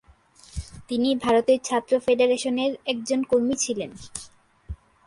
তিনি ভারতের ছাত্র ফেডারেশন-এর একজন কর্মী ছিলেন।